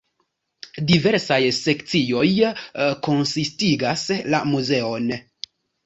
Diversaj sekcioj konsistigas la muzeon.